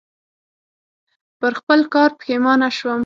پر خپل کار پښېمانه شوم .